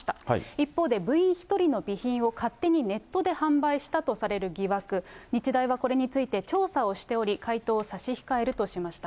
一方で部員１人の備品を勝手にネットで販売したとされる疑惑、日大はこれについて調査をしており、回答を差し控えるとしました。